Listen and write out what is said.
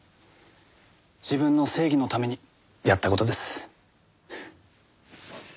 自分の正義のためにやった事です。